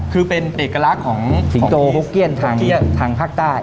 คือเป็นเอกลักษณ์ของสิงโตฮุกเกี้ยนทางภาคใต้